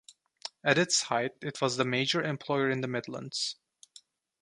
At its height it was the major employer in the Midlands.